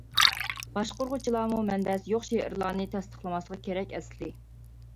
باشقۇرغۇچىلارمۇ مەنبەسى يوق شېئىرلارنى تەستىقلىماسلىقى كېرەك ئەسلى.